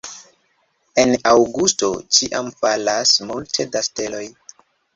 En aŭgusto ĉiam falas multe da steloj.